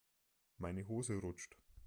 Meine Hose rutscht.